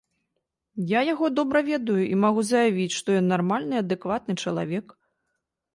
Я яго добра ведаю, і магу заявіць, што ён нармальны і адэкватны чалавек.